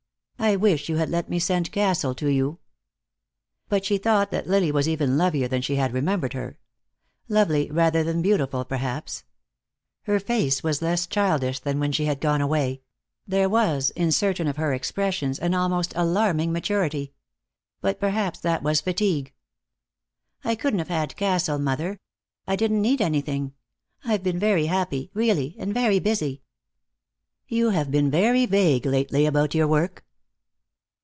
I wish you had let me send Castle to you." But she thought that lily was even lovelier than she had remembered her. Lovely rather than beautiful, perhaps. Her face was less childish than when she had gone away; there was, in certain of her expressions, an almost alarming maturity. But perhaps that was fatigue. "I couldn't have had Castle, mother. I didn't need anything. I've been very happy, really, and very busy." "You have been very vague lately about your work."